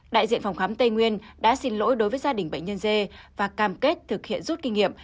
đại diện phòng khám tây nguyên đã xin lỗi đối với gia đình bệnh nhân dê và cam kết thực hiện rút kinh nghiệm